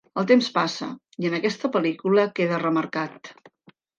El temps passa i en aquesta pel·lícula queda remarcat.